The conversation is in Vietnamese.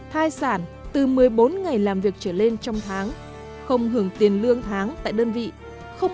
thai sản từ một mươi bốn ngày làm việc trở lên trong tháng